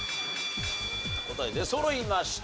答え出そろいました。